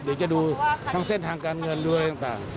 หรือจะดูทั้งเส้นทางการเงินด้วยอะไรต่างนะครับ